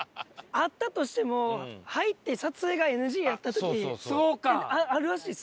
あったとしても入って撮影がＮＧやった時あるらしいです。